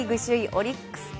オリックス対